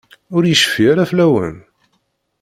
Ur yecfi ara fell-awen?